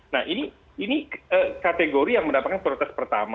nah ini kategori yang mendapatkan prioritas pertama